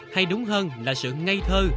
hay đúng hơn là sự ngây thơ